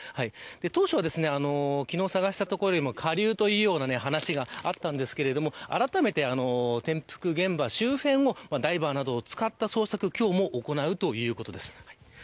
当初は昨日、探していた所よりも下流というような話があったんですがあらためて転覆現場周辺をダイバーなどを使った捜索が今日も行われるということです。